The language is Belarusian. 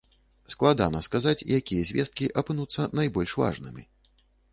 Складана сказаць, якія звесткі апынуцца найбольш важнымі.